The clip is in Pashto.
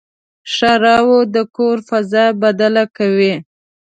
ښوروا د کور فضا بدله کوي.